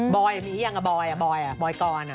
บอยมีอย่างกับบอยอ่ะบอยกรอ่ะ